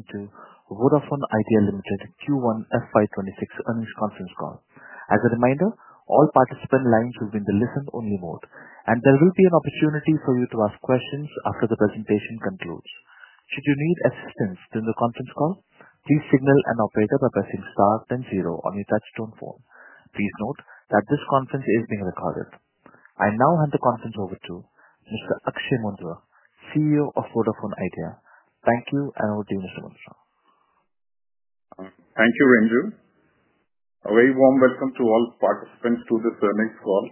Attending Vodafone Idea Limited Q1 FY 2026 earnings conference call. As a reminder, all participant lines will be in the listen-only mode, and there will be an opportunity for you to ask questions after the presentation concludes. Should you need assistance during the conference call, please signal an operator by pressing star then zero on your touchtone phone. Please note that this conference is being recorded. I am now handing the conference over to Mr. Akshaya Moondra, CEO of Vodafone Idea. Thank you, and over to you, Mr. Moondra. Thank you, Rindu. A very warm welcome to all participants to this earnings call.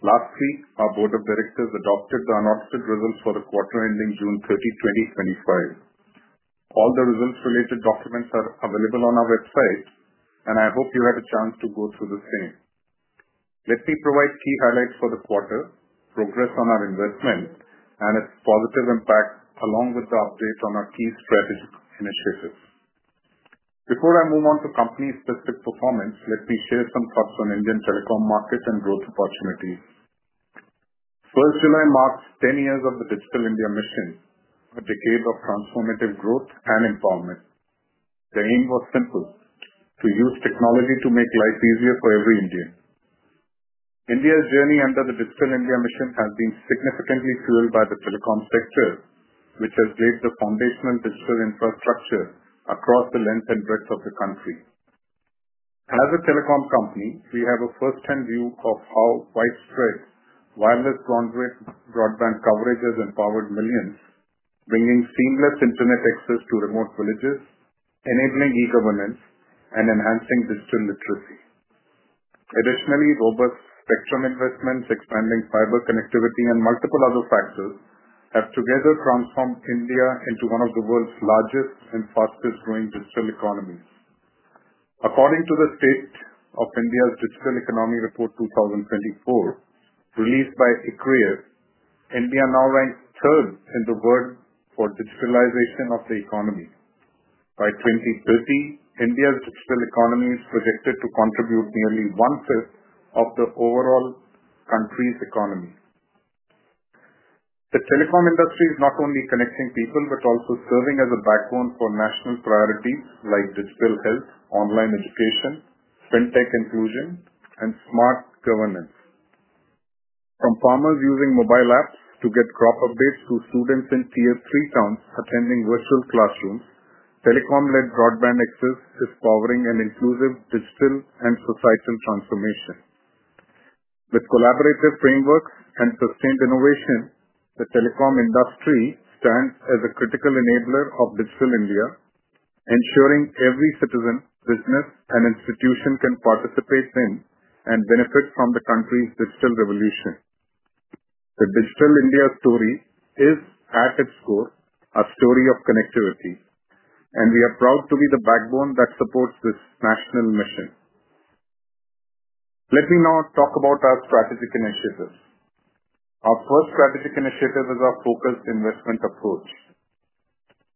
Last week, our Board of Directors adopted the announcement result for the quarter ending June 30, 2025. All the results-related documents are available on our website, and I hope you had a chance to go through the same. Let me provide key highlights for the quarter, progress on our investment, and its positive impact, along with the updates on our key strategic initiatives. Before I move on to company-specific performance, let me share some thoughts on the Indian telecom market and growth opportunities. First, I marked 10 years of the Digital India Mission, a decade of transformative growth and empowerment. The aim was simple: to use technology to make life easier for every Indian. India's journey under the Digital India Mission has been significantly fueled by the telecom sector, which has laid the foundation on digital infrastructure across the length and breadth of the country. As a telecom company, we have a firsthand view of how widespread wireless broadband coverage has empowered millions, bringing seamless internet access to remote villages, enabling e-governance, and enhancing digital literacy. Additionally, robust spectrum investments, expanding fiber connectivity, and multiple other factors have together transformed India into one of the world's largest and fastest-growing digital economies. According to the State of India's Digital Economy Report 2024, released by ICRIER, India now ranks third in the world for digitalization of the economy. By 2030, India's digital economy is projected to contribute nearly one-fifth of the overall country's economy. The telecom industry is not only connecting people but also serving as a backbone for national priorities like digital health, online education, fintech inclusion, and smart governance. From farmers using mobile apps to get crop updates to students in tier-three towns attending virtual classrooms, telecom-led broadband access is powering an inclusive digital and societal transformation. With collaborative frameworks and sustained innovation, the telecom industry stands as a critical enabler of Digital India, ensuring every citizen, business, and institution can participate in and benefit from the country's digital revolution. The Digital India story is, at its core, a story of connectivity, and we are proud to be the backbone that supports this national mission. Let me now talk about our strategic initiatives. Our first strategic initiative is our focused investment approach.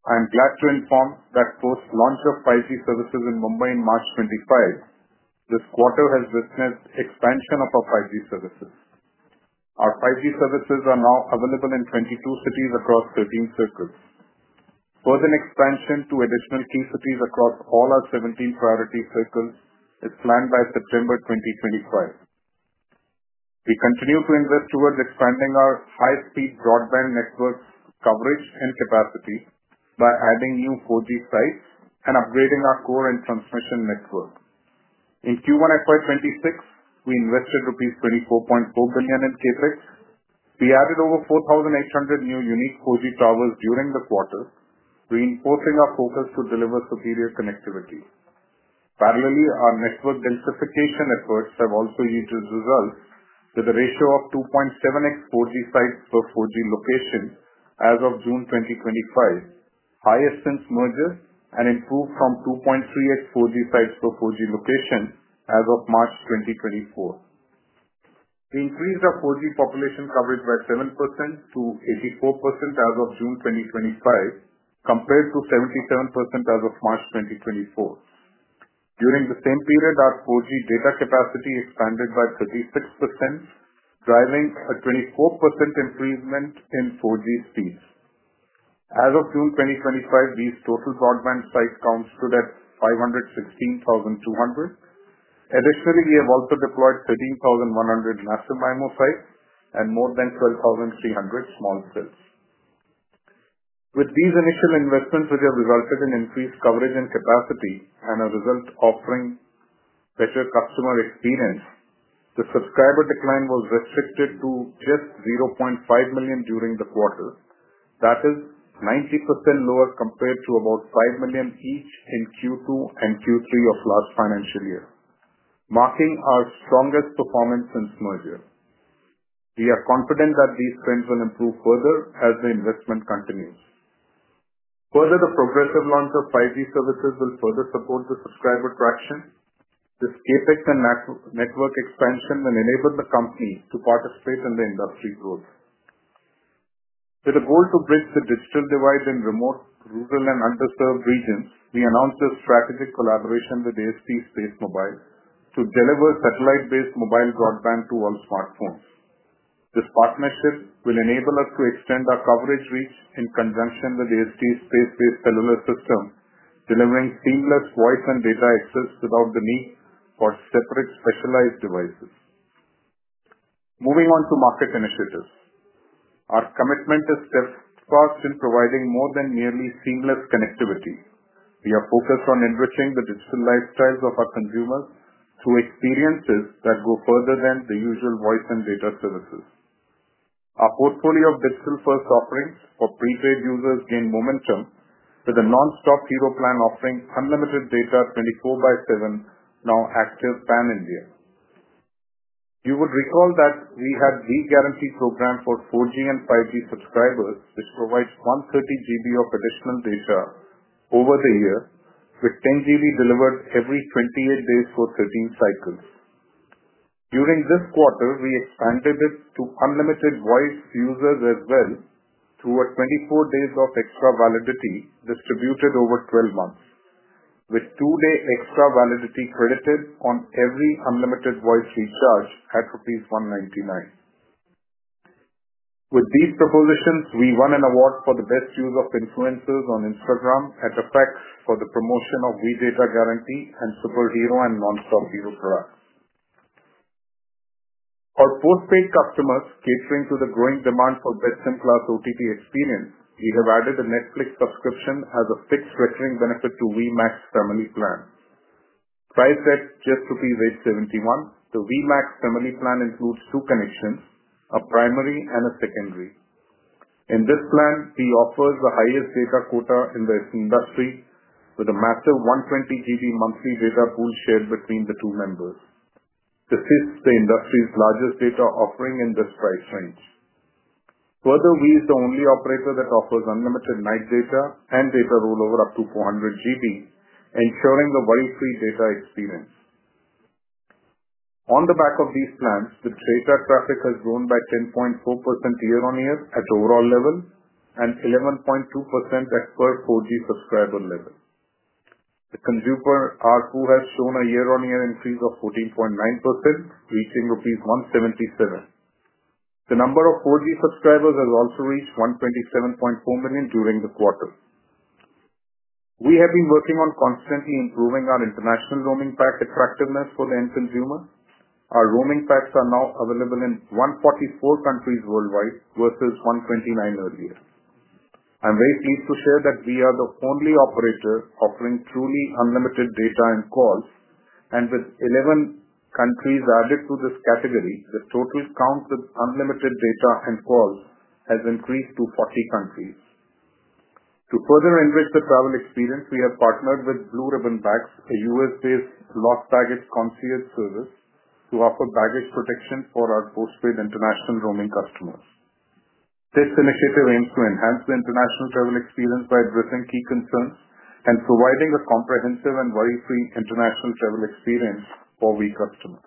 I am glad to inform that post-launch of 5G services in Mumbai in March 2025, this quarter has witnessed the expansion of our 5G services. Our 5G services are now available in 22 cities across 13 circles. Further expansion to additional key cities across all our 17 priority circles is planned by September 2025. We continue to invest towards expanding our high-speed broadband network coverage and capacity by adding new 4G sites and upgrading our core and transmission network. In Q1 FY2026, we invested rupees 24.4 billion in CapEx. We added over 4,800 new unique 4G towers during the quarter, reinforcing our focus to deliver superior connectivity. Parallely, our network densification efforts have also yielded results with a ratio of 2.7x 4G sites per 4G location as of June 2025, highest since merger, and improved from 2.3x 4G sites per 4G location as of March 2024. We increased our 4G population coverage by 7% to 84% as of June 2025, compared to 77% as of March 2024. During the same period, our 4G data capacity expanded by 36%, driving a 24% improvement in 4G speeds. As of June 2025, these total broadband sites counted at 515,200. Additionally, we have also deployed 13,100 massive MIMO sites and more than 12,300 small cells. With these initial investments, which have resulted in increased coverage and capacity, and as a result offering better customer experience, the subscriber decline was restricted to just 0.5 million during the quarter. That is 90% lower compared to about 5 million each in Q2 and Q3 of last financial year, marking our strongest performance since merger. We are confident that these trends will improve further as the investment continues. Further, the progressive launch of 5G services will further support the subscriber traction. This CapEx and network expansion will enable the company to participate in the industry growth. With a goal to bridge the digital divide in remote, rural, and underserved regions, we announced a strategic collaboration with AST SpaceMobile to deliver satellite-based mobile broadband to all smartphones. This partnership will enable us to extend our coverage reach in conjunction with AST SpaceMobile's space-based cellular system, delivering seamless voice and data access without the need for separate specialized devices. Moving on to market initiatives, our commitment is sparse in providing more than nearly seamless connectivity. We are focused on enriching the digital lifestyles of our consumers through experiences that go further than the usual voice and data services. Our portfolio of digital-first offerings for prepaid users gained momentum with a Nonstop Hero plan offering unlimited data 24/7, now active in India. You would recall that we had an e-guarantee program for 4G and 5G subscribers, which provides 130 GB of additional data over the year, with 10 GB delivered every 28 days for 13 cycles. During this quarter, we expanded it to unlimited voice users as well through 24 days of extra validity distributed over 12 months, with two-day extra validity credited on every unlimited voice recharge at INR 199. With these propositions, we won an award for the best use of influencers on Instagram at Apex for the promotion of Vi Jeta Guarantee and Superhero and Nonstop Hero Karat. Our postpaid customers, catering to the growing demand for best-in-class OTT experience, we have added a Netflix subscription as a fixed recurring benefit to Vi Max Family Plan. Priced at just rupees 71, the Vi Max Family Plan includes two connections, a primary and a secondary. In this plan, we offer the highest data quota in the industry with a massive 120 GB monthly data pool shared between the two members. This is the industry's largest data offering in this price range. Further, we are the only operator that offers unlimited night data and data rollover up to 400 GB, ensuring a worry-free data experience. On the back of these plans, its data traffic has grown by 10.4% year-on-year at the overall level and 11.2% at the per 4G subscriber level. The consumer ARPU has shown a year-on-year increase of 14.9%, reaching rupees 177. The number of 4G subscribers has also reached 127.4 million during the quarter. We have been working on constantly improving our international roaming pack attractiveness for the end consumer. Our roaming packs are now available in 144 countries worldwide versus 129 earlier. I'm very pleased to share that we are the only operator offering truly unlimited data and calls, and with 11 countries added to this category, the total count with unlimited data and calls has increased to 40 countries. To further enrich the travel experience, we have partnered with Blue Ribbon Bags, a U.S.-based lost baggage concierge service, to offer baggage protection for our postpaid international roaming customers. This initiative aims to enhance the international travel experience by addressing key concerns and providing a comprehensive and worry-free international travel experience for our customers.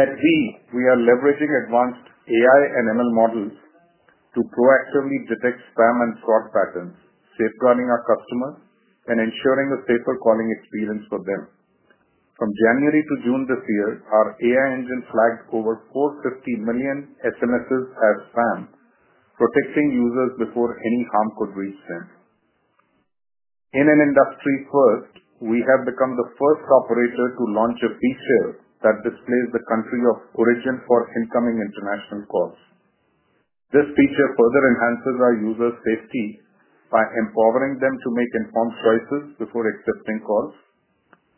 At Vodafone Idea, we are leveraging advanced AI and ML models to proactively detect spam and fraud patterns, safeguarding our customers and ensuring a safer calling experience for them. From January to June this year, our AI engine flagged over 450 million SMSes as spam, protecting users before any harm could reach them. In an industry-first, we have become the first operator to launch a feature that displays the country of origin for incoming international calls. This feature further enhances our users' safety by empowering them to make informed choices before accepting calls.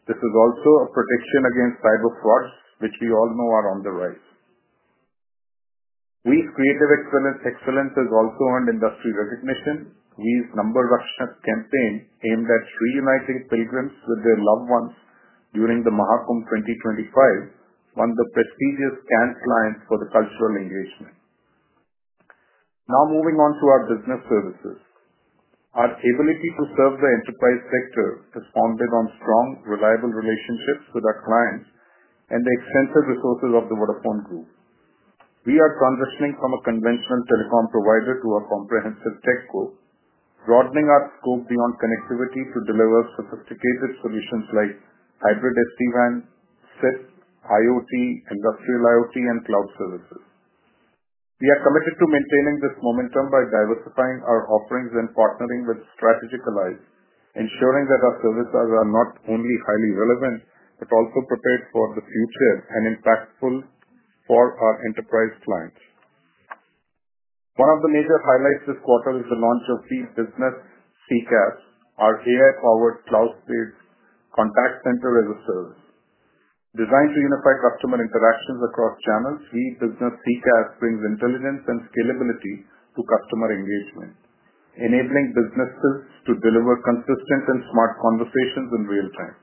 This is also a protection against cyber fraud, which we all know is on the rise. We've created excellence also on industry recognition. We've run a number of campaigns aimed at reuniting pilgrims with their loved ones during the Mahakam 2025, one of the prestigious dance lines for the cultural engagement. Now moving on to our business services, our ability to serve the enterprise segment is founded on strong, reliable relationships with our clients and the extensive resources of the Vodafone Group. We are transitioning from a conventional telecom operator to a comprehensive tech group, broadening our scope beyond connectivity to deliver sophisticated solutions like hybrid SD-WAN, CIFT, IoT, industrial IoT, and cloud services. We are committed to maintaining this momentum by diversifying our offerings and partnering with strategic allies, ensuring that our services are not only highly relevant but also prepared for the future and impactful for our enterprise clients. One of the major highlights this quarter is the launch of Vi Business CCaaS, our AI-powered cloud-based contact center as a service. Designed to unify customer interactions across channels, Vi Business CCaaS brings intelligence and scalability to customer engagement, enabling businesses to deliver consistent and smart conversations in real time.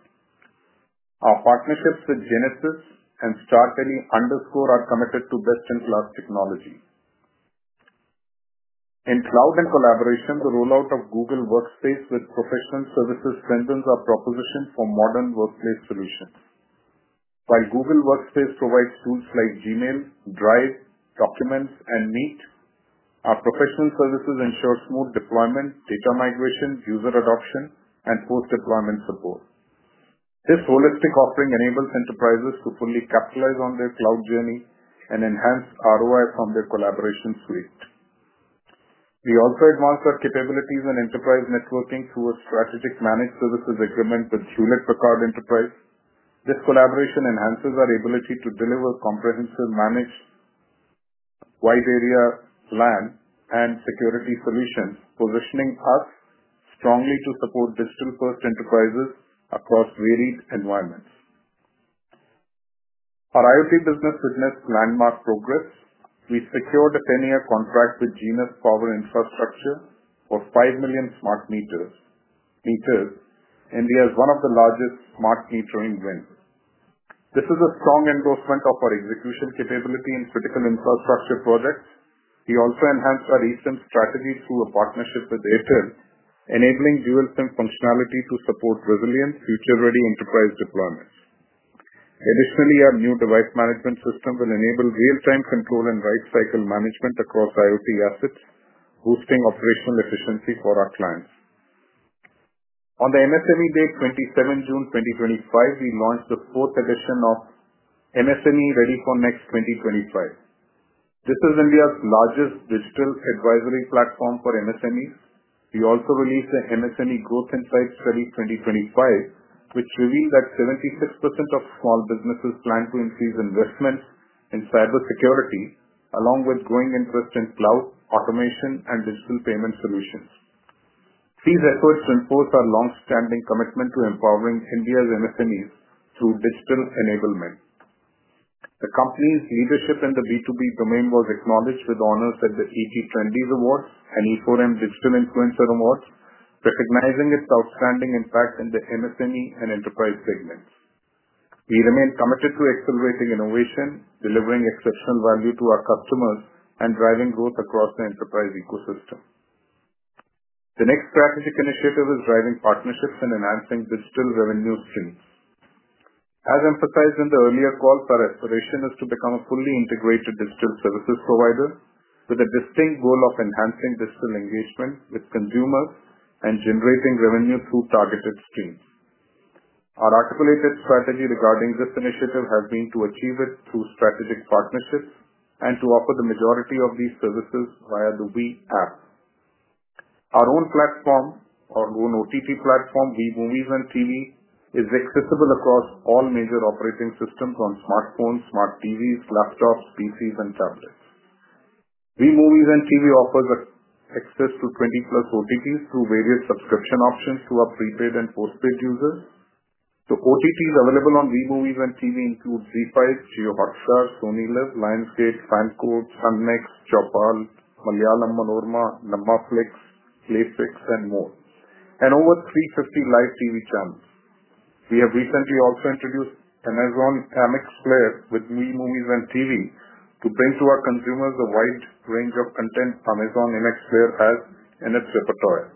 Our partnerships with Genus Power Infrastructure and AST SpaceMobile underscore our commitment to best-in-class technology. In cloud and collaboration, the rollout of Google Workspace with professional services strengthens our proposition for modern workplace solutions. While Google Workspace provides tools like Gmail, Drive, Documents, and Meet, our professional services ensure smooth deployment, data migration, user adoption, and post-deployment support. This holistic offering enables enterprises to fully capitalize on their cloud journey and enhance ROI from their collaboration suite. We also advance our capabilities in enterprise networking through a strategic managed services agreement with Hewlett Packard Enterprise. This collaboration enhances our ability to deliver comprehensive managed wide-area LAN and security solutions, positioning us strongly to support digital-first enterprises across various environments. Our IoT business witnessed landmark progress. We secured a 10-year contract with Genus Power Infrastructure for 5 million smart meters, and we are one of the largest smart meter IoT wins. This is a strong endorsement of our execution capability in critical infrastructure projects. We also enhanced our eSIM strategies through a partnership with Bharti Airtel, enabling dual SIM functionality to support resilient, future-ready enterprise deployments. Additionally, our new device management system will enable real-time control and right-cycle management across IoT assets, boosting operational efficiency for our clients. On MSME Day, June 27, 2025, we launched the fourth edition of MSME Ready for Next 2025. This is India's largest digital advisory platform for MSMEs. We also released an MSME Growth Insights Study 2025, which revealed that 76% of small businesses plan to increase investments in cybersecurity, along with growing interest in cloud automation and digital payment solutions. These efforts support our long-standing commitment to empowering India's MSMEs through digital enablement. The company's leadership in the B2B domain was acknowledged with honors at the ET20s Award and E4M Digital Influencer Awards, recognizing its outstanding impact in the MSME and enterprise segments. We remain committed to accelerating innovation, delivering exceptional value to our customers, and driving growth across the enterprise ecosystem. The next strategic initiative is driving partnerships and enhancing digital revenue streams. As emphasized in the earlier call, our aspiration is to become a fully integrated digital services provider with a distinct goal of enhancing digital engagement with consumers and generating revenue through targeted streams. Our articulated strategy regarding this initiative has been to achieve it through strategic partnerships and to offer the majority of these services via the Vi App. Our own platform, our own OTT platform, Vi Movies & TV, is accessible across all major operating systems on smartphones, smart TVs, laptops, PCs, and tablets. Vi Movies & TV offers access to 20+ OTTs through various subscription options to our prepaid and postpaid users. The OTTs available on Vi Movies & TV include ZEE5, JioHotStar, SonyLIV, Lionsgate, FanCode, Eros Now, Hoichoi, Malayalam Manorama, Namma Flix, PlayFlix, and more, and over 350 live TV channels. We have recently also introduced MX Player with Vi Movies & TV to bring to our consumers a wide range of content MX Player has in its repertoire.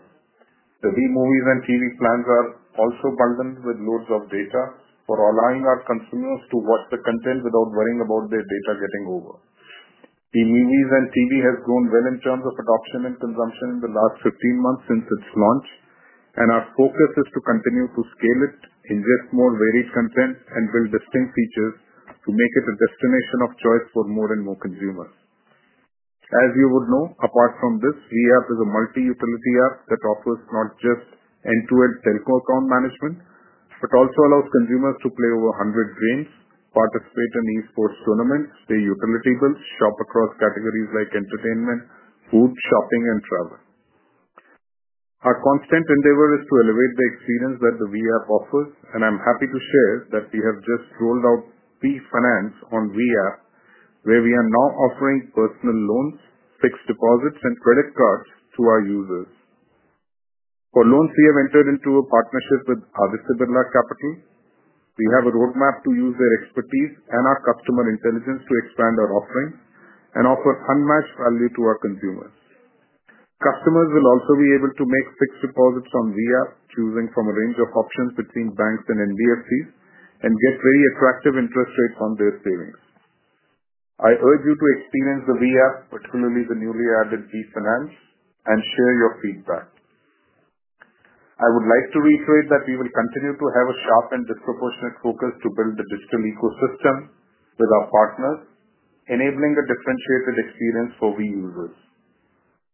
The Vi Movies & TV plans are also bundled with loads of data for allowing our consumers to watch the content without worrying about their data getting over. Vi Movies & TV has grown well in terms of adoption and consumption in the last 15 months since its launch, and our focus is to continue to scale it, ingest more varied content, and build distinct features to make it a destination of choice for more and more consumers. As you would know, apart from this, Vi App is a multi-utility app that offers not just end-to-end telco account management but also allows consumers to play over 100 games, participate in eSports tournaments, pay utility bills, shop across categories like entertainment, food, shopping, and travel. Our constant endeavor is to elevate the experience that the Vi App offers, and I'm happy to share that we have just rolled out Vi Finance on Vi App, where we are now offering personal loans, fixed deposits, and credit cards to our users. For loans, we have entered into a partnership with Aditya Birla Capital. We have a roadmap to use their expertise and our customer intelligence to expand our offering and offer unmatched value to our consumers. Customers will also be able to make fixed deposits on Vi App, choosing from a range of options between banks and NBFCs, and get very attractive interest rates on their savings. I urge you to experience the Vi App, particularly the newly added Vi Finance, and share your feedback. I would like to reiterate that we will continue to have a sharp and disproportionate focus to build the digital ecosystem with our partners, enabling a differentiated experience for Vi users.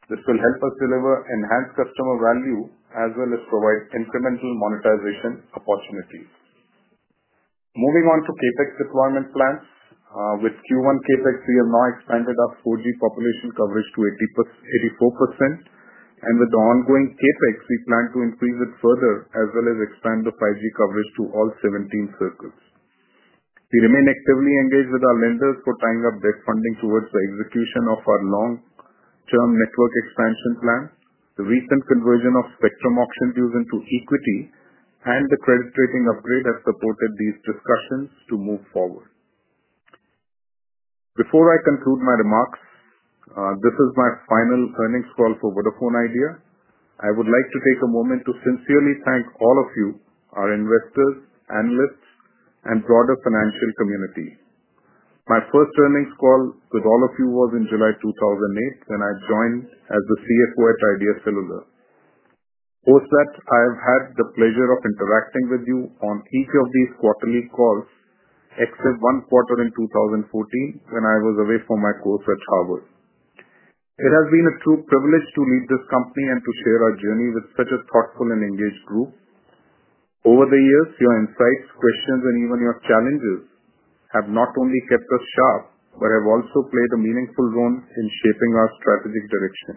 This will help us deliver enhanced customer value as well as provide incremental monetization opportunities. Moving on to CapEx deployment plans, with Q1 CapEx, we have now expanded our 4G population coverage to 84%, and with the ongoing CapEx, we plan to increase it further as well as expand the 5G coverage to all 17 circles. We remain actively engaged with our lenders for tying up their funding towards the execution of our long-term network expansion plan. The recent conversion of spectrum options using equity and the credit rating upgrade have supported these discussions to move forward. Before I conclude my remarks, this is my final earnings call for Vodafone Idea. I would like to take a moment to sincerely thank all of you, our investors, analysts, and broader financial community. My first earnings call with all of you was in July 2008, when I joined as the CFO at Idea Cellular. Post that, I have had the pleasure of interacting with you on each of these quarterly calls, except one quarter in 2014 when I was away for my course at Harvard. It has been a true privilege to lead this company and to share our journey with such a thoughtful and engaged group. Over the years, your insights, questions, and even your challenges have not only kept us sharp but have also played a meaningful role in shaping our strategic direction.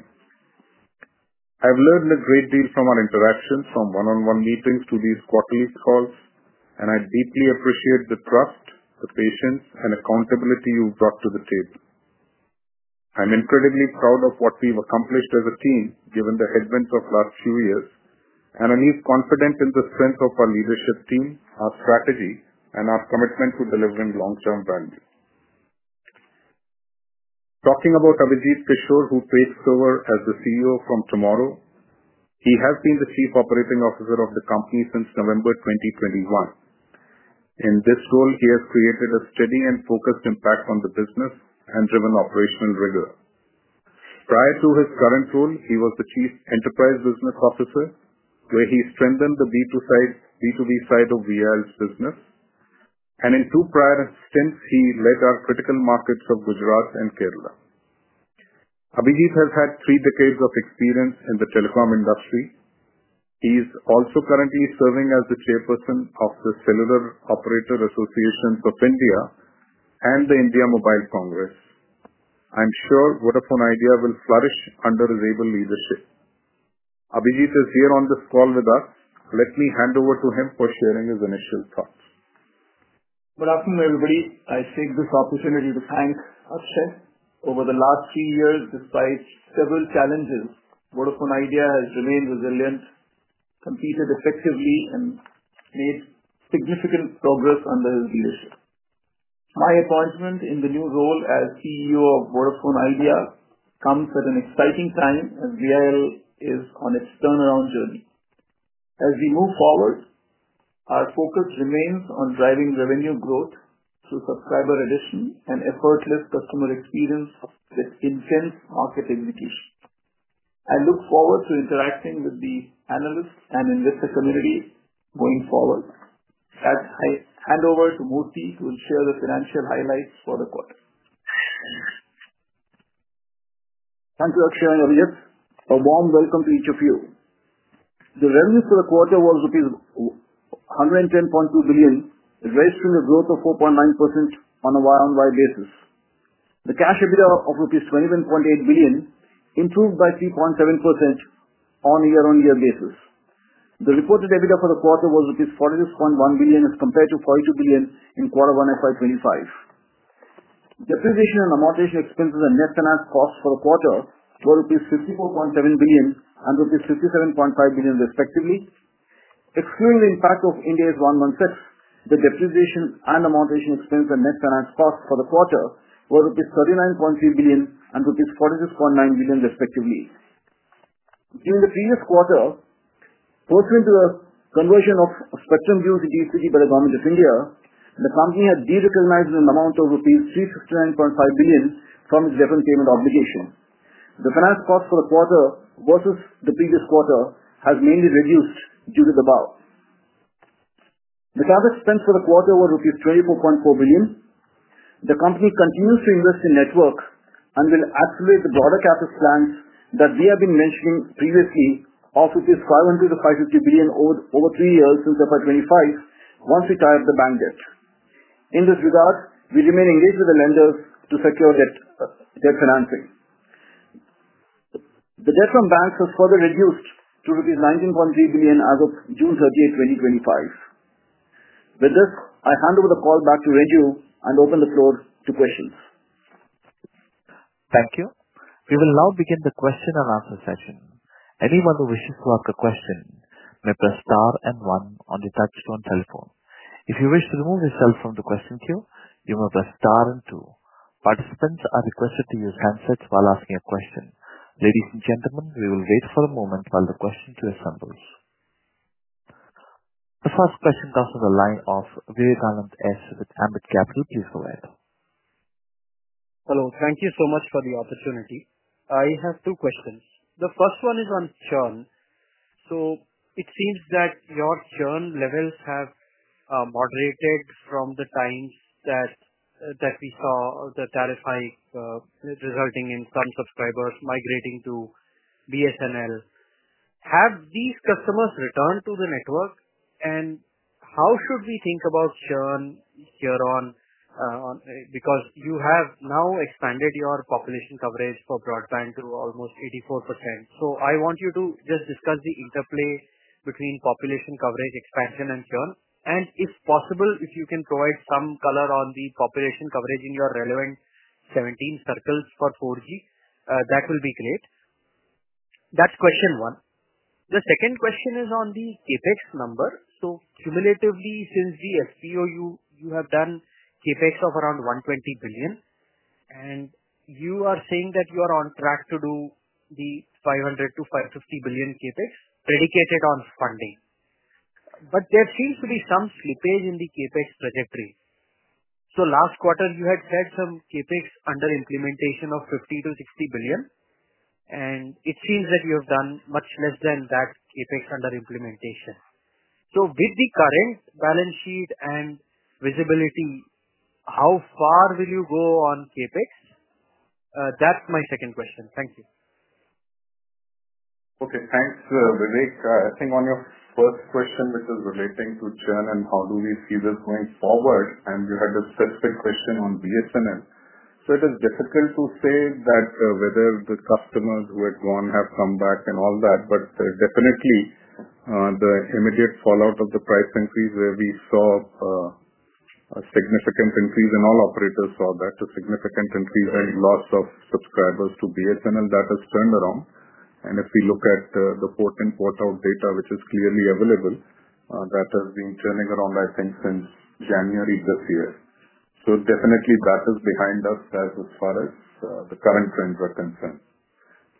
I've learned a great deal from our interactions, from one-on-one meetings to these quarterly calls, and I deeply appreciate the trust, the patience, and accountability you've brought to the table. I'm incredibly proud of what we've accomplished as a team, given the headwinds of the last few years, and I'm at least confident in the strength of our leadership team, our strategy, and our commitment to delivering long-term value. Talking about Avijit Kishore, who takes over as the CEO from tomorrow, he has been the Chief Operating Officer of the company since November 2021. In this role, he has created a steady and focused impact on the business and driven operational rigor. Prior to his current role, he was the Chief Enterprise Business Officer, where he strengthened the B2B side of Vi's business, and in two prior stints, he led our critical markets of Gujarat and Kerala. Avijit has had three decades of experience in the telecom industry. He is also currently serving as the Chairperson of the Cellular Operators Association of India and the India Mobile Congress. I'm sure Vodafone Idea will flourish under his able leadership. Avijit is here on this call with us. Let me hand over to him for sharing his initial thoughts. Good afternoon, everybody. I seek this opportunity to thank ourselves. Over the last few years, despite several challenges, Vodafone Idea has remained resilient, competed effectively, and made significant progress under his leadership. My appointment in the new role as CEO of Vodafone Idea comes at an exciting time as Vi is on its turnaround journey. As we move forward, our focus remains on driving revenue growth through subscriber addition and effortless customer experience with intense market execution. I look forward to interacting with the analysts and enrich the community going forward. As I hand over to Murthy, who will share the financial highlights for the quarter. Thanks for that sharing, Avijit. A warm welcome to each of you. The revenue for the quarter was rupees 110.2 billion, registering a growth of 4.9% on a year-on-year basis. The cash EBITDA of rupees 21.8 billion improved by 3.7% on a year-on-year basis. The reported EBITDA for the quarter was INR 46.1 billion as compared to 42 billion in quarter one FY2025. Depreciation and amortization expenses and net finance costs for the quarter were rupees 54.7 billion and rupees 57.5 billion, respectively. Excluding the impact of Ind AS 116, the depreciation and amortization expense and net finance costs for the quarter were rupees 39.3 billion and rupees 46.9 billion, respectively. During the previous quarter, pursuant to the conversion of spectrum use in DoT by the Government of India, the company had derecognized an amount of rupees 369.5 billion from its debt repayment obligation. The finance cost for the quarter versus the previous quarter has mainly reduced due to the bulk. The target spend for the quarter was INR 24.4 billion. The company continues to invest in networks and will accelerate the broader capital plans that we have been mentioning previously of 550 to 550 billion over three years since FY2025, once we tie up the bank debt. In this regard, we remain engaged with the lenders to secure debt financing. The debt from banks has further reduced to 19.3 billion as of June 30, 2025. With this, I hand over the call back to Raju and open the floor to questions. Thank you. We will now begin the question and answer session. Anyone who wishes to ask a question may press star and one on your touchtone telephone. If you wish to remove yourself from the question queue, you may press star and two. Participants are requested to use handsets while asking a question. Ladies and gentlemen, we will wait for a moment while the question queue assembles. The first question comes from the line of Vivekanand S with Ambit Capital. Please go ahead. Hello. Thank you so much for the opportunity. I have two questions. The first one is on churn. It seems that your churn levels have moderated from the times that we saw the tariff hike resulting in some subscribers migrating to BSNL. Have these customers returned to the network? How should we think about churn here on because you have now expanded your population coverage for broadband to almost 84%? I want you to just discuss the interplay between population coverage expansion and churn. If possible, if you can provide some color on the population coverage in your relevant 17 circles for 4G, that would be great. That's question one. The second question is on the CapEx number. Cumulatively, since the SBO, you have done CapEx of around 120 billion. You are saying that you are on track to do the 500 to 550 billion CapEx predicated on funding. There seems to be some slippage in the CapEx trajectory. Last quarter, you had said some CapEx under implementation of 50 to 60 billion. It seems that you have done much less than that CapEx under implementation. With the current balance sheet and visibility, how far will you go on CapEx? That's my second question. Thank you. Okay. Thanks, Vivek. I think on your first question, which is relating to churn and how do we see this going forward, and you had the specific question on BSNL. It is difficult to say that whether the customers who had gone have come back and all that. There is definitely the immediate fallout of the price increase where we saw a significant increase, and all operators saw that, a significant increase in loss of subscribers to BSNL that has turned around. If we look at the 14-quartile data, which is clearly available, that has been churning around, I think, since January this year. That is behind us as far as the current trends are concerned.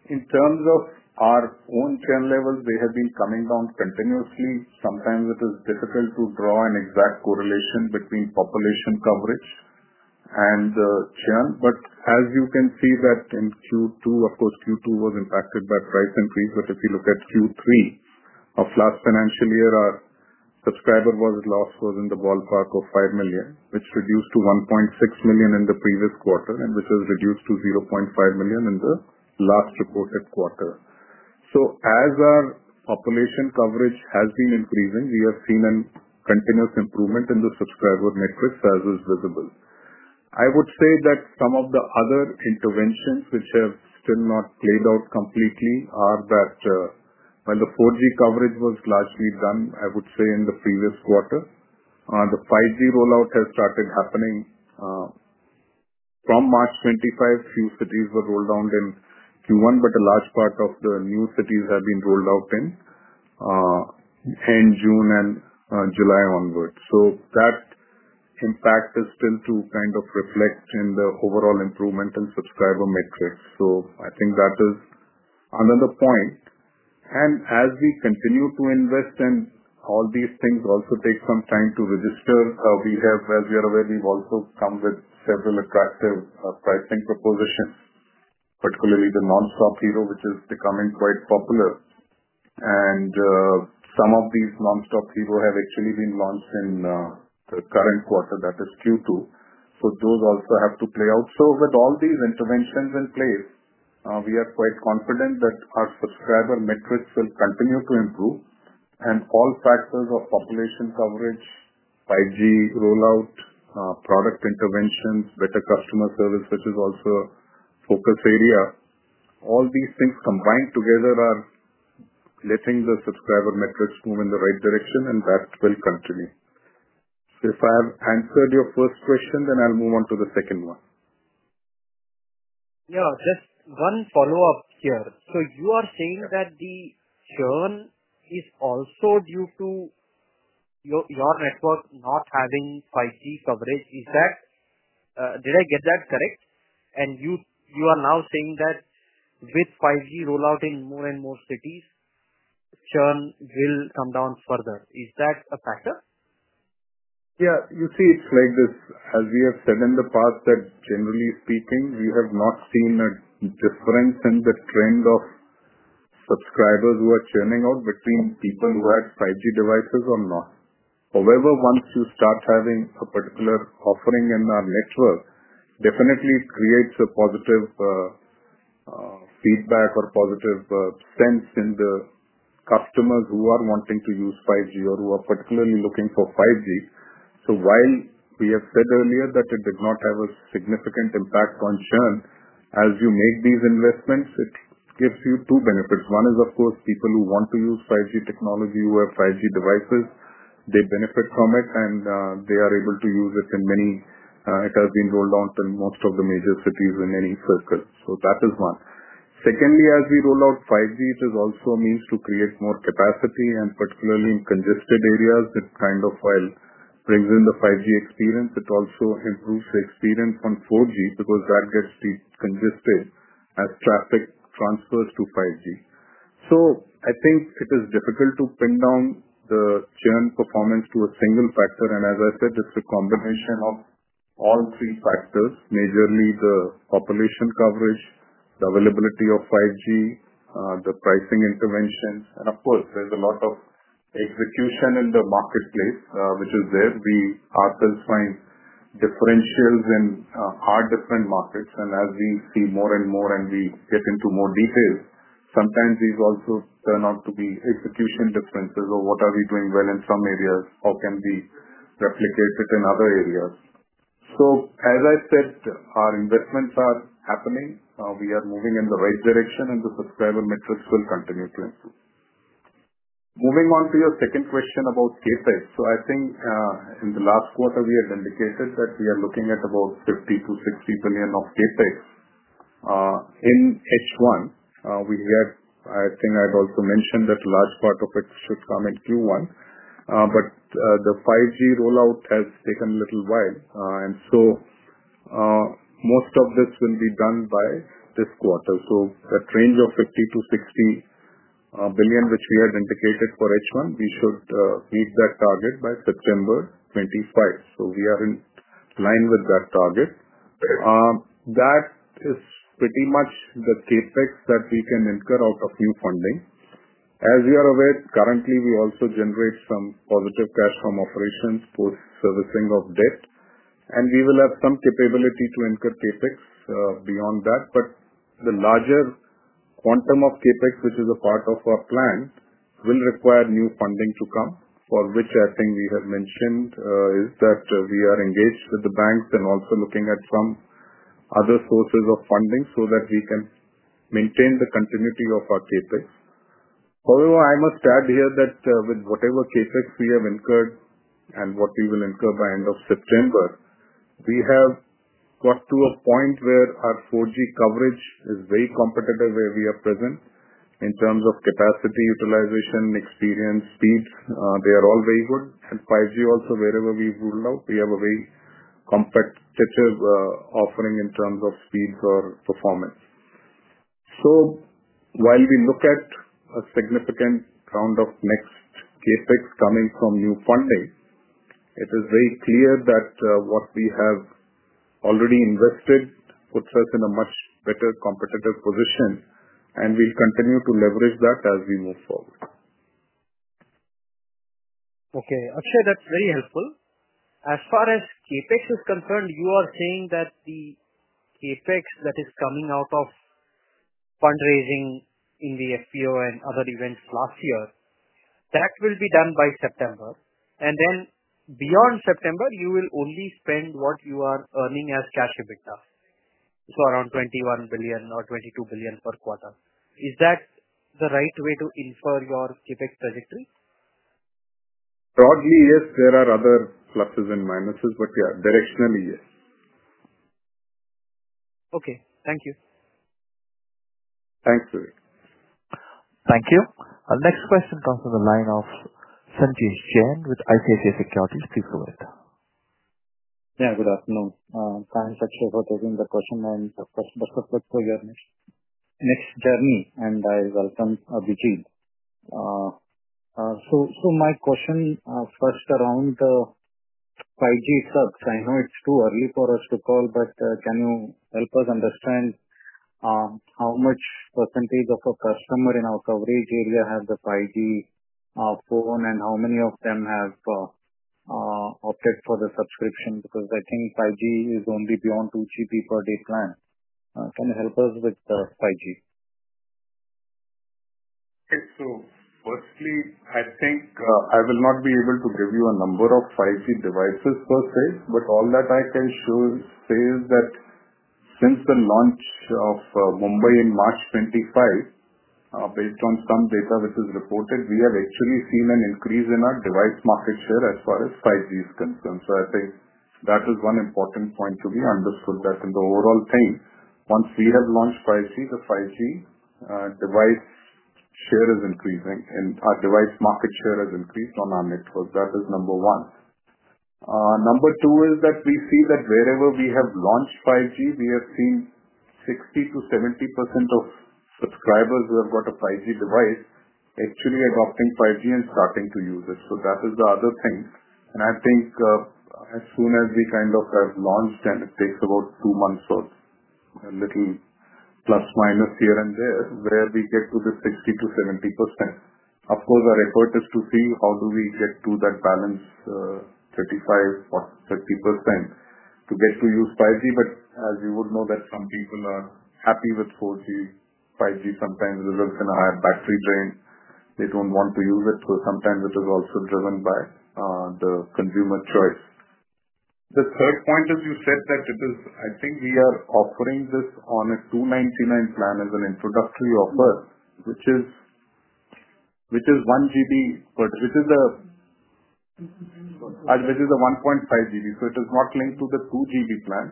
In terms of our own churn levels, they have been coming down spontaneously. Sometimes it is difficult to draw an exact correlation between population coverage and the churn. As you can see, in Q2, of course, Q2 was impacted by price increase. If you look at Q3 of last financial year, our subscriber loss was in the ballpark of 5 million, which reduced to 1.6 million in the previous quarter, and which has reduced to 0.5 million in the last reported quarter. As our population coverage has been increasing, we have seen a continuous improvement in the subscriber networks, as is visible. I would say that some of the other interventions, which have still not played out completely, are that when the 4G coverage was largely done, I would say in the previous quarter, the 5G rollout has started happening. From March 25, a few cities were rolled out in Q1, but a large part of the new cities have been rolled out in June and July onward. That impact is still to kind of reflect in the overall improvement in subscriber metrics. I think that is another point. As we continue to invest in all these things, it also takes some time to register. As you're aware, we've also come with several attractive pricing propositions, particularly the Nonstop Hero, which is becoming quite popular. Some of these Nonstop Hero have actually been launched in the current quarter, that is Q2. Those also have to play out. With all these interventions in place, we are quite confident that our subscriber metrics will continue to improve. All factors of population coverage, 5G rollout, product interventions, better customer service, which is also a focus area, all these things combined together are letting the subscriber metrics move in the right direction, and that will continue. If I answered your first question, then I'll move on to the second one. Yeah. Just one follow-up here. You are saying that the churn is also due to your network not having 5G coverage. Is that, did I get that correct? You are now saying that with 5G rollout in more and more cities, churn will come down further. Is that a factor? Yeah. You see, it's like this. As we have turned in the path, generally speaking, we have not seen a difference in the trend of subscribers who are churning out between people who have 5G devices or not. However, once you start having a particular offering in our network, definitely it creates a positive feedback or positive sense in the customers who are wanting to use 5G or who are particularly looking for 5G. While we have said earlier that it did not have a significant impact on churn, as you make these investments, it gives you two benefits. One is, of course, people who want to use 5G technology who have 5G devices. They benefit from it, and they are able to use it in many. It has been rolled out in most of the major cities in many circles. That is one. Secondly, as we roll out 5G, it is also a means to create more capacity, and particularly in congested areas, it kind of, while brings in the 5G experience, it also improves the experience on 4G because that gets decongested as traffic transfers to 5G. I think it is difficult to pin down the churn performance to a single factor. As I said, it's the combination of all three factors, majorly the population coverage, the availability of 5G, the pricing interventions. Of course, there's a lot of execution in the marketplace, which is there. We often find differentials in our different markets. As we see more and more and we get into more detail, sometimes these also turn out to be execution differences, or what are we doing well in some areas? How can we replicate it in other areas? As I said, our investments are happening. We are moving in the right direction, and the subscriber metrics will continue to improve. Moving on to your second question about CapEx. In the last quarter, we had indicated that we are looking at about 50 to 60 billion of CapEx in H1. I think I've also mentioned that a large part of it should come in Q1, but the 5G rollout has taken a little while, and most of this will be done by this quarter. That range of 50 to 60 billion, which we had indicated for H1, we should reach that target by September 2025. We are in line with that target. That is pretty much the CapEx that we can incur out of new funding. As you are aware, currently, we also generate some positive cash from operations post-servicing of this, and we will have some capability to incur CapEx beyond that. The larger quantum of CapEx, which is a part of our plan, will require new funding to come, for which I think we have mentioned that we are engaged with the banks and also looking at some other sources of funding so that we can maintain the continuity of our CapEx. However, I must add here that with whatever CapEx we have incurred and what we will incur by the end of September, we have got to a point where our 4G coverage is very competitive where we are present in terms of capacity utilization, experience, speeds. They are all very good. 5G also, wherever we roll out, we have a very competitive offering in terms of speeds or performance. While we look at a significant round of next CapEx coming from new funding, it is very clear that what we have already invested puts us in a much better competitive position. We'll continue to leverage that as we move forward. Okay. Actually, that's very helpful. As far as CapEx is concerned, you are saying that the CapEx that is coming out of fundraising in the SBO and other events last year, that will be done by September. Beyond September, you will only spend what you are earning as cash EBITDA, so around 21 billion or 22 billion per quarter. Is that the right way to infer your CapEx trajectory? Broadly, yes. There are other pluses and minuses, but yeah, directionally, yes. Okay, thank you. Thanks, Ravik. Thank you. Our next question comes from the line of Sanjay Shen with ICICI Securities. Please go ahead. Good afternoon. Thanks, actually, for taking the question and the question about the next journey. I welcome Avijit. My question first is around the 5G subs. I know it's too early for us to call, but can you help us understand how much % of our customers in our coverage area have the 5G phone and how many of them have opted for the subscription? I think 5G is only beyond 2GB per day plan. Can you help us with the 5G? Okay. Firstly, I think I will not be able to give you a number of 5G devices per sales, but all that I can say is that since the launch of Mumbai in March 25, based on some data which is reported, we have actually seen an increase in our device market share as far as 5G is concerned. I think that is one important point to be understood in the overall thing. Once we have launched 5G, the 5G device share is increasing, and our device market share has increased on our network. That is number one. Number two is that we see that wherever we have launched 5G, we have seen 60% to 70% of subscribers who have got a 5G device actually adopting 5G and starting to use it. That is the other thing. I think as soon as we have launched, then it takes about two months or a little plus minus here and there where we get to the 60% to 70%. Of course, our effort is to see how do we get to that balance, 35% or 30% to get to use 5G. As you would know, some people are happy with 4G. 5G sometimes results in a higher battery drain. They don't want to use it. Sometimes it is also driven by the consumer choice. The third point is you said that it is, I think we are offering this on a 299 plan as an introductory offer, which is 1GB, but this is a 1.5GB. It is not linked to the 2GB plan.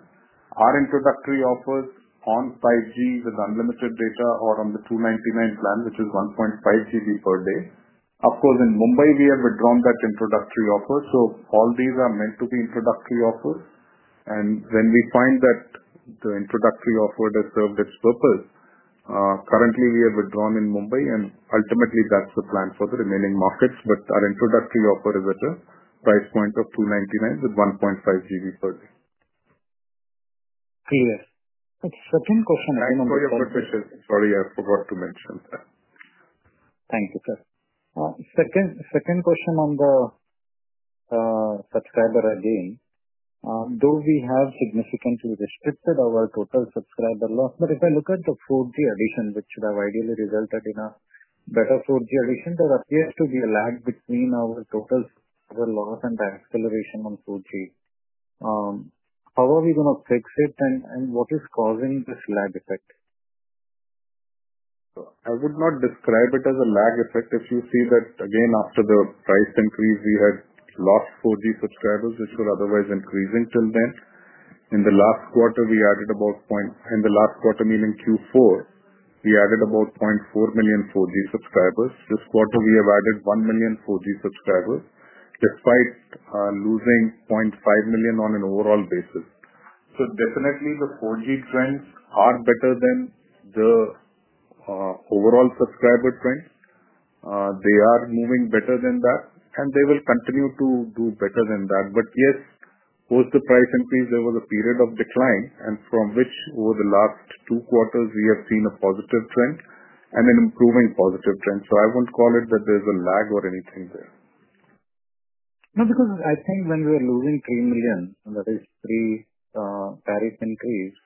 Our introductory offers on 5G with unlimited data are on the 299 plan, which is 1.5GB per day. Of course, in Mumbai, we have withdrawn that introductory offer. All these are meant to be introductory offers. When we find that the introductory offer has served its purpose, currently, we have withdrawn in Mumbai, and ultimately, that's the plan for the remaining markets. Our introductory offer is at a price point of 299 with 1.5GB per day. Thank you. Second question on the. I'm sorry about the fishes. Sorry, I forgot to mention that. Thank you, sir. Second question on the subscriber again. Do we have significantly restricted our total subscriber loss? If I look at the 4G addition, which should have ideally resulted in a better 4G addition, there appears to be a lag between our total subscriber loss and the acceleration on 4G. How are we going to fix it, and what is causing this lag effect? I would not describe it as a lag effect. If you see that, again, after the price increase, we had lost 4G subscribers, which were otherwise increasing till then. In the last quarter, we added about, in the last quarter, meaning Q4, we added about 0.4 million 4G subscribers. This quarter, we have added 1 million 4G subscribers despite losing 0.5 million on an overall basis. Definitely, the 4G trends are better than the overall subscriber trends. They are moving better than that, and they will continue to do better than that. Yes, post the price increase, there was a period of decline, and from which, over the last two quarters, we have seen a positive trend and an improving positive trend. I won't call it that there's a lag or anything there. No, because I think when we were losing 3 million, that is three tariff increases,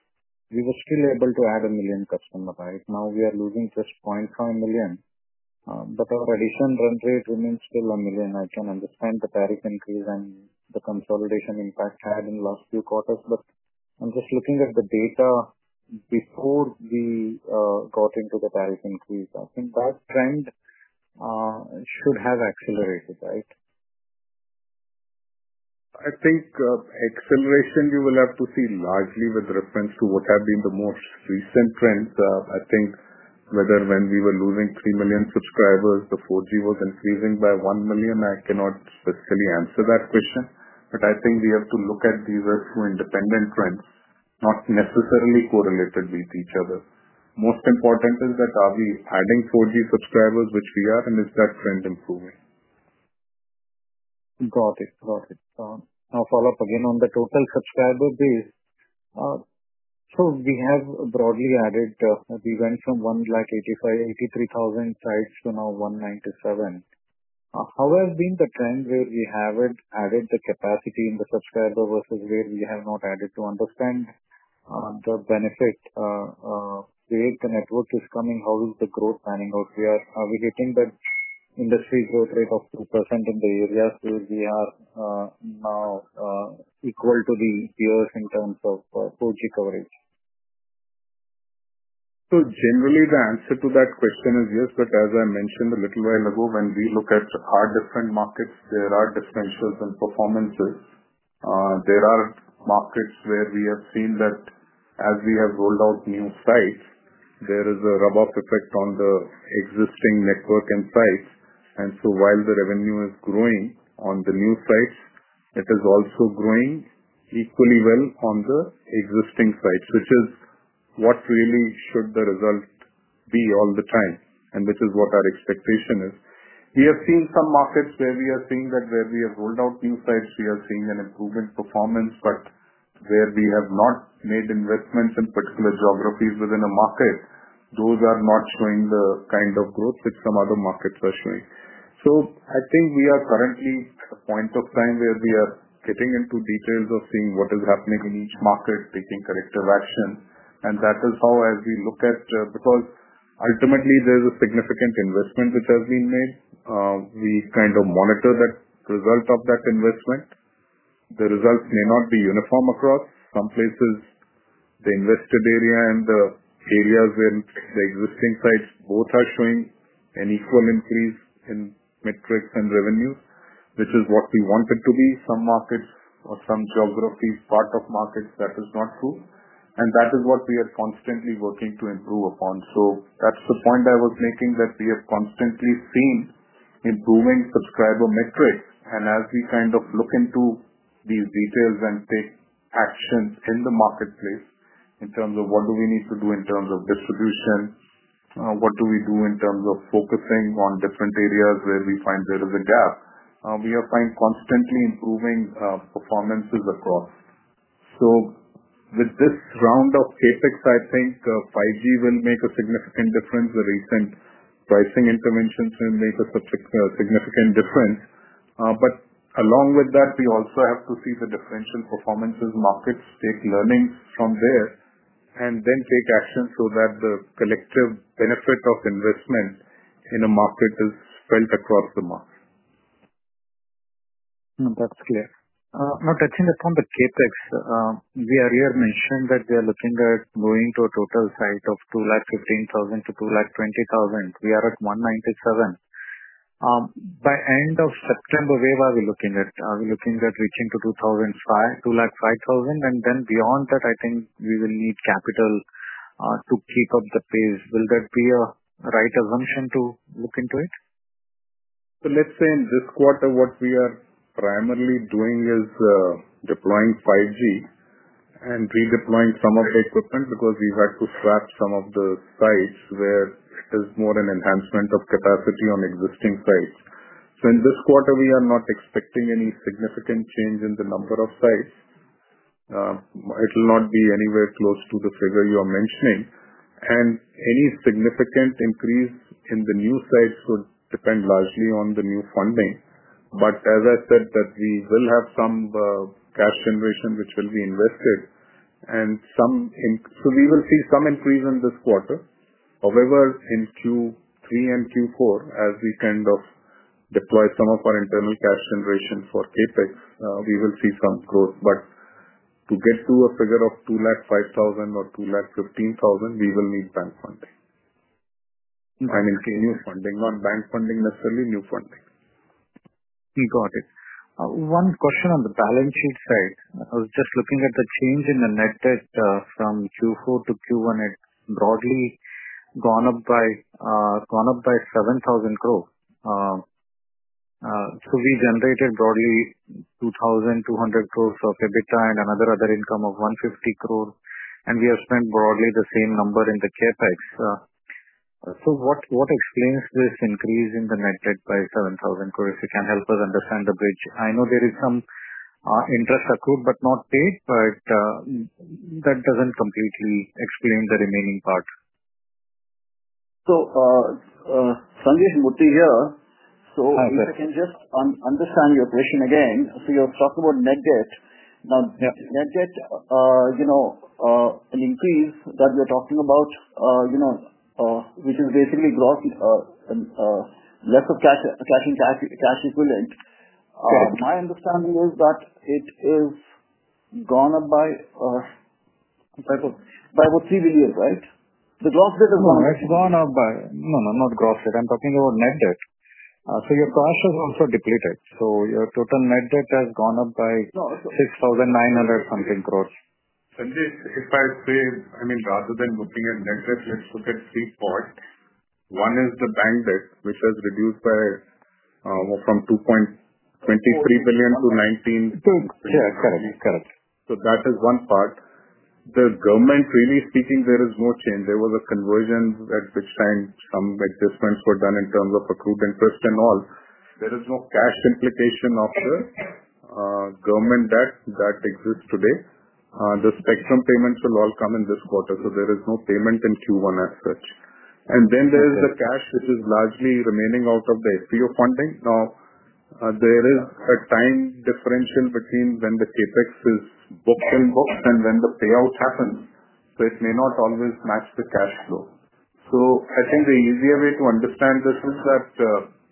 we were still able to add a million customers. Now we are losing just 0.5 million, but our additional run rate remains still a million. I can understand the tariff increase and the consolidation impact had in the last few quarters. I'm just looking at the data before we got into the tariff increase. I think that trend should have accelerated, right? I think acceleration we will have to see largely with reference to what have been the most recent trends. I think whether when we were losing 3 million subscribers, the 4G was increasing by 1 million, I cannot specifically answer that question. I think we have to look at these as two independent trends, not necessarily correlated with each other. Most important is that are we adding 4G subscribers, which we are, and is that trend improving? Got it. I'll follow up again on the total subscriber base. We have broadly added, we went from 183,000 sites to now 197. How has been the trend where we have added the capacity in the subscriber versus where we have not added to understand the benefit? Where the network is coming, how is the growth planning out here? Are we getting that industry growth rate of 2% in the areas where we are now equal to the U.S. in terms of 4G coverage? Generally, the answer to that question is yes. As I mentioned a little while ago, when we look at our different markets, there are differentials in performances. There are markets where we have seen that as we have rolled out new sites, there is a rub-off effect on the existing network and sites. While the revenue is growing on the new sites, it is also growing equally well on the existing sites, which is what really should the result be all the time, and which is what our expectation is. We have seen some markets where we are seeing that where we have rolled out new sites, we are seeing an improved performance. Where we have not made investments in particular geographies within a market, those are not showing the kind of growth that some other markets are showing. I think we are currently at the point of time where we are getting into details of seeing what is happening in each market, taking corrective action. That is how, as we look at, because ultimately, there's a significant investment which has been made. We kind of monitor the result of that investment. The results may not be uniform across. Some places, the invested area and the areas in the existing sites both are showing an equal increase in metrics and revenues, which is what we want it to be. Some markets or some geographies, startup markets, that is not true. That is what we are constantly working to improve upon. That's the point I was making that we have constantly seen improving subscriber metrics. As we kind of look into these details and take actions in the marketplace in terms of what do we need to do in terms of distribution, what do we do in terms of focusing on different areas where we find there is a gap, we are constantly improving performances across. With this round of CapEx, I think 5G will make a significant difference. The recent pricing interventions will make a significant difference. Along with that, we also have to see the differential performances markets take, learning from there, and then take action so that the collective benefit of investment in a market is felt across the market. That's clear. Now touching upon the CapEx, we are here mentioning that we are looking at going to a total site of 215,000 to 220,000. We are at 197,000. By the end of September, where are we looking at? Are we looking at reaching to 205,000? Beyond that, I think we will need capital to keep up the pace. Will that be a right assumption to look into it? In this quarter, what we are primarily doing is deploying 5G and redeploying some of the equipment because we have to scratch some of the sites where it is more an enhancement of capacity on existing sites. In this quarter, we are not expecting any significant change in the number of sites. It will not be anywhere close to the figure you are mentioning. Any significant increase in the new sites would depend largely on the new funding. As I said, we will have some cash generation which will be invested, so we will see some increase in this quarter. However, in Q3 and Q4, as we kind of deploy some of our internal cash generation for CapEx, we will see some growth. To get to a figure of 205,000 or 215,000, we will need new funding, not bank funding necessarily, new funding. Got it. One question on the balance sheet side. I was just looking at the change in the net debt from Q4 to Q1. It's broadly gone up by 7,000 crore. We generated broadly 2,200 crore of EBITDA and another other income of 150 crore. We have spent broadly the same number in the CapEx. What explains this increase in the net debt by 7,000 crore? If you can help us understand the bridge. I know there is some interest accrued but not paid, but that doesn't completely explain the remaining part. Sanjay, this is G.V.A.S. Murthy here. If I can just understand your question again, you're talking about net debt. Now, net debt is an increase that we're talking about, which is basically growth and less of taxing equivalent. My understanding is that it has gone up by, I would say, $3 billion, right? The growth rate is gone up by, I'm talking about net debt. Your cost has also depleted. Your total net debt has gone up by 6,900 crore something. Sanjay, if I may, rather than looking at net debt, let's look at three parts. One is the bank debt, which has reduced from 22.3 billion to 19 billion. Yeah, it's correct. It's correct. That is one part. The government, really speaking, there is no change. There was a conversion at which time some adjustments were done in terms of accrued interest and all. There is no cash implication of the government debt that exists today. The spectrum payments will all come in this quarter. There is no payment in Q1 as such. There is the cash, which is largely remaining out of the SBO funding. There is a time differential between when the CapEx is booked and when the payout happens. It may not always match the cash flow. I think the easier way to understand this is that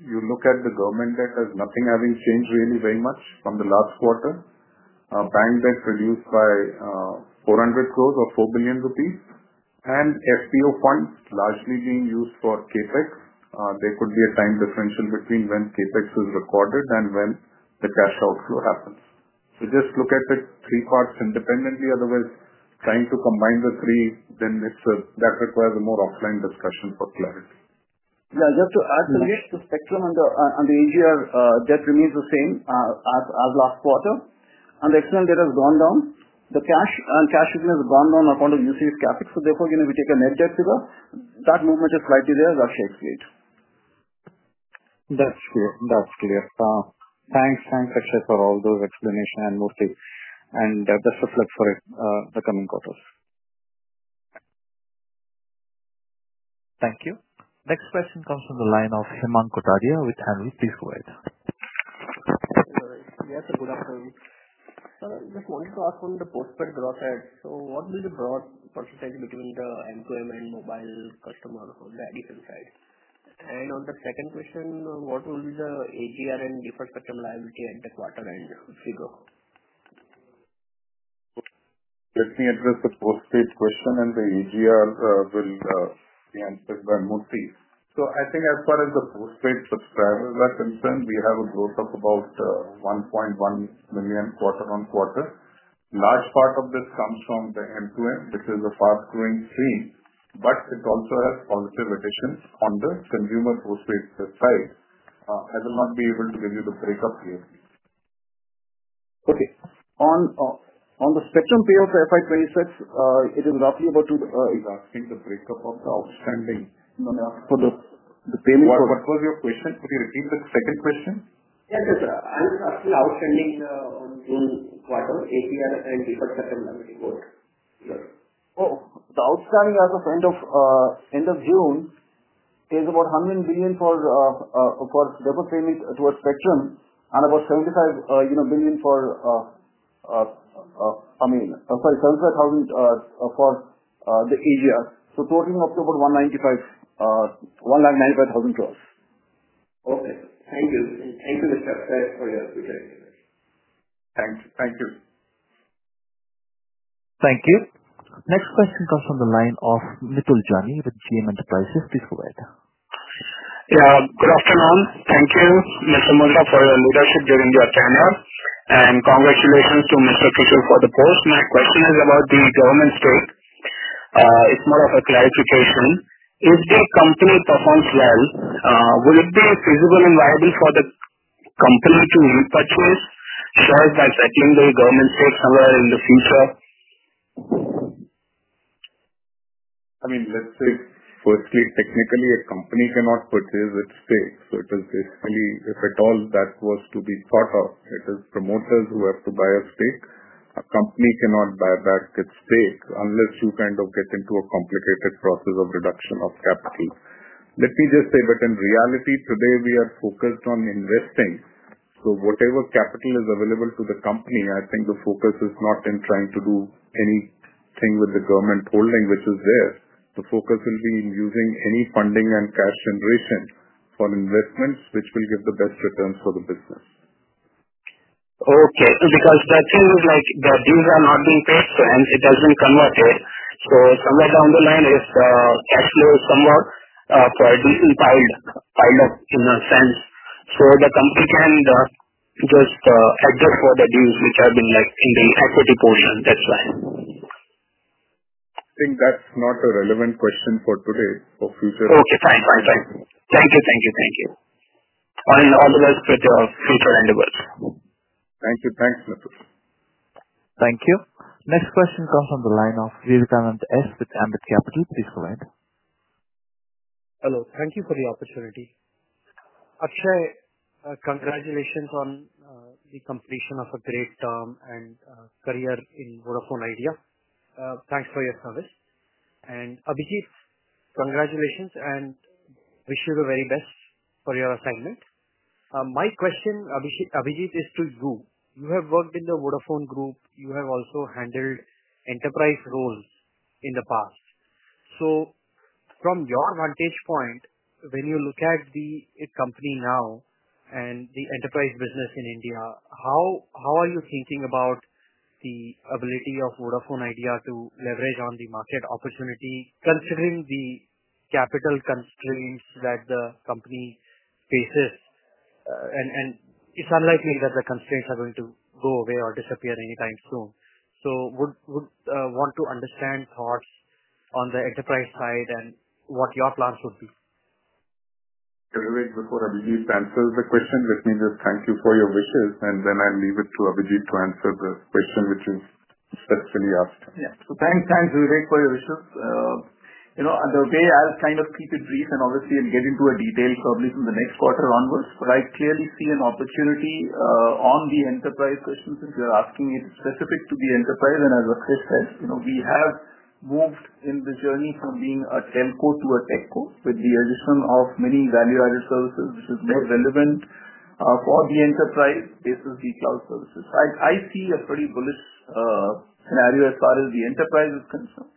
you look at the government debt as nothing having changed really very much from the last quarter. Bank debt reduced by 400 crore or 4 billion rupees. SBO funds largely being used for CapEx. There could be a time difference between when CapEx is recorded and when the cash outflow happens. Just look at it three parts independently. Otherwise, trying to combine the three then makes sure that requires a more offline discussion for clarity. Yeah. Just to add to this, the spectrum on the easier debt remains the same as last quarter. The external debt has gone down. The cash and cash equivalent has gone down on account of UCS capital. Therefore, you know, we take a net debt figure. That movement is slightly there. That's just it. That's true. That's clear. Thanks, thanks, actually, for all those explanations and Murthy. Just reflect for the coming quarters. Thank you. Next question comes from the line of Hemant Kothari with Hanru. Please go ahead. All right. Yes, a good afternoon. Just wanted to ask on the postpaid growth. What will the broad percentage be during the MQM and mobile customer on the additional side? On the second question, what will be the AGR and default spectrum liability at the quarter end? Please go. Let me address the postpaid question, and the AGR will be answered by Murthy. I think as far as the postpaid subscribers are concerned, we have a growth of about 1.1 million quarter on quarter. A large part of this comes from the MQM, which is a fast-growing stream. It also has positive additions on the consumer postpaid side. I will not be able to give you the breakup here. Okay. On the spectrum payouts FY2026, it is roughly about. Is asking the breakup of the outstanding for the payment. What was your question? Could you repeat the second question? Sir, I was asking the outstanding June quarter AGR and default spectrum liability growth. Sure. The outstanding as of end of June is about 100 billion for default payment towards spectrum and about 75 billion for the AGR, totaling up to about 195 billion. Okay. Thank you. Thank you, Mr. Hassan, for your presentation. Thanks. Thank you. Thank you. Next question comes from the line of Mithun Jani with GM Enterprises. Please go ahead. Yeah. Good afternoon. Thank you, Mr. Moondra, for the leadership during the webinar. Congratulations to Mr. Murthy for the post. My question is about the government shares. It's more of a clarity-based one. If the company performs well, would it be feasible and viable for the company to repurchase shares by shifting the government shares somewhere in the future? Firstly, technically, a company cannot purchase its stakes. It is basically, if at all that was to be thought of, it is promoters who have to buy a stake. A company cannot buy back its stake unless you get into a complicated process of reduction of capital. In reality, today we are focused on investing. Whatever capital is available to the company, the focus is not in trying to do anything with the government holding, which is there. The focus will be in using any funding and cash generation for investments, which will give the best returns for the business. Okay. Because that seems like the deals are not being paid, it doesn't come up, right? Where down the line is the cash flow somewhere? I don't see time of the sense for the company to have just object for the deals, which have been exceeding equity pool, and that's fine. I think that's not a relevant question for today or future. Okay. Fine. Thank you. Thank you. Thank you on another split of future and the world. Thank you. Thanks, Mithul. Thank you. Next question comes from the line of Virgalant S. with Ambit Capital. Please go ahead. Hello. Thank you for the opportunity. Actually, congratulations on the completion of a great term and career in Vodafone Idea. Thanks for your service. Avijit, congratulations and wish you the very best for your assignment. My question, Avijit, is to you. You have worked in the Vodafone Group. You have also handled enterprise roles in the past. From your vantage point, when you look at the company now and the enterprise business in India, how are you thinking about the ability of Vodafone Idea to leverage on the market opportunity considering the capital constraints that the company faces? It's unlikely that the constraints are going to go away or disappear anytime soon. I would want to understand thoughts on the enterprise side and what your plans would be. Ravit, before Avijit answers the question, let me just thank you for your wishes, and then I'll leave it to Avijit to answer this question, which is specifically asked. Yeah. Thanks, Ravit, for your wishes. You know, the way I'll kind of keep it brief and obviously get into detail probably from the next quarter onwards, but I clearly see an opportunity on the enterprise question since you're asking it specific to the enterprise. As a case, of course, we have moved in the journey from being a telco to a telco with the addition of many value-added services, which is more relevant for the enterprise versus the cloud services. I see a pretty bullish scenario as far as the enterprise is concerned.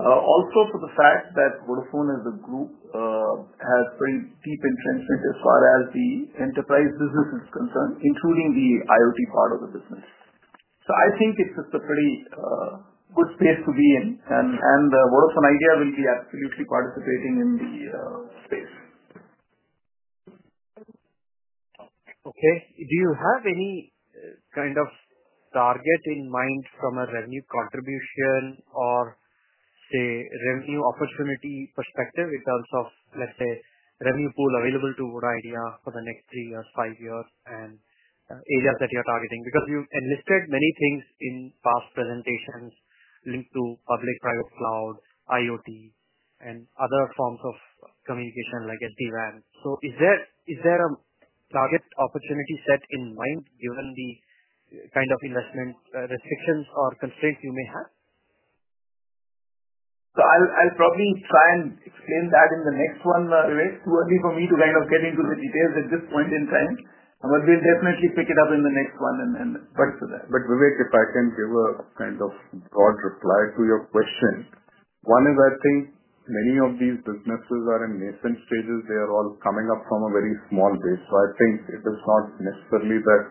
Also, for the fact that Vodafone as a group has pretty deep entrenchment as far as the enterprise business is concerned, including the IoT part of the business. I think it's just a pretty good space to be in. Vodafone Idea will be absolutely participating in the. Okay. Do you have any kind of target in mind from a revenue contribution or, say, revenue opportunity perspective in terms of, let's say, revenue pool available to Vodafone Idea for the next three years, five years, and areas that you're targeting? You enlisted many things in past presentations linked to public-private cloud, IoT, and other forms of communication like SD-WAN. Is there a target opportunity set in mind given the kind of investment restrictions or constraints you may have? I'll probably try and explain that in the next one, Ravit. It's too early for me to kind of get into the details at this point in time. We'll definitely pick it up in the next one and then pursue that. Ravit, if I can give a kind of broad reply to your question, one is I think many of these businesses are in maintenance stages. They are all coming up from a very small base. I think it is not necessarily that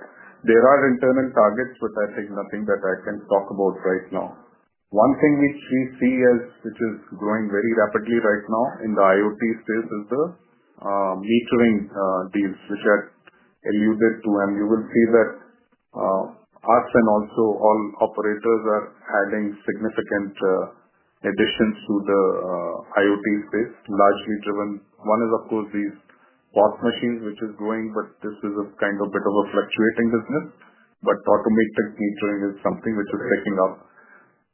there are internal targets, but nothing that I can talk about right now. One thing which we see, which is growing very rapidly right now in the IoT space, is the metering deals, which I alluded to. You will see that us and also all operators are adding significant additions to the IoT space, largely driven. One is, of course, these wash machines, which is growing, but this is a kind of a bit of a fluctuating business. Automatic metering is something which is picking up.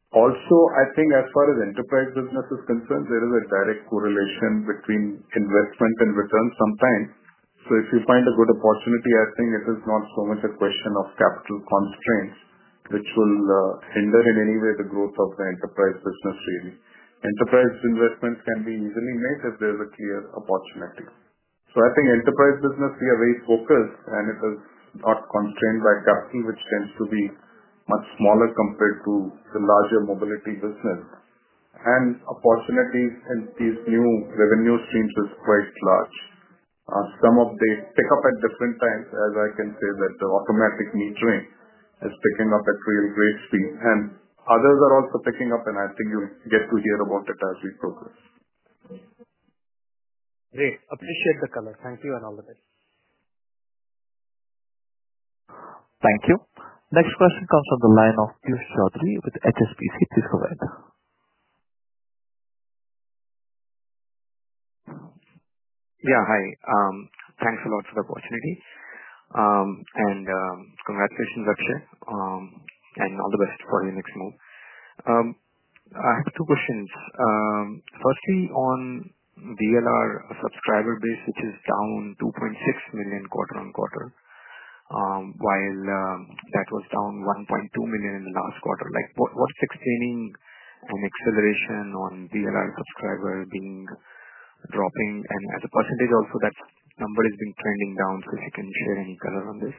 Also, I think as far as enterprise business is concerned, there is a direct correlation between investment and return sometimes. If you find a good opportunity, I think it is not so much a question of capital constraints, which will hinder in any way the growth of the enterprise business, really. Enterprise investments can be easily made if there's a clear opportunity. I think enterprise business, we are very focused, and it is not constrained by gas fee, which tends to be much smaller compared to the larger mobility business. Opportunities in these new revenue streams are quite large. Some of they pick up at different times, as I can say that the automatic metering is picking up at real waves speed. Others are also picking up, and I think you get to hear about it as we progress. Great. Appreciate the comment. Thank you and all the best. Thank you. Next question comes from the line of Pushjotri with SSPC. Please go ahead. Yeah. Hi. Thanks a lot for the opportunity. Congratulations, actually, and all the best for your next move. I have two questions. Firstly, on DLR subscriber base, which is down 2.6 million quarter on quarter, while that was down 1.2 million in the last quarter. What's explaining an acceleration on DLR subscriber being dropping? As a % also, that number has been trending down. Can you share any color on this?